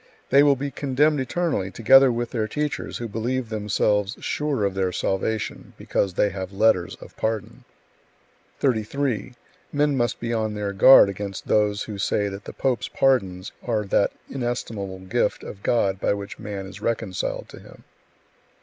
They will be condemned eternally, together with their teachers, who believe themselves sure of their salvation because they have letters of pardon. 33. Men must be on their guard against those who say that the pope's pardons are that inestimable gift of God by which man is reconciled to Him; 34.